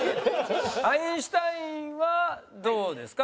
アインシュタインはどうですか？